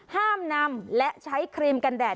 ห้ามนำและใช้ครีมกันแดด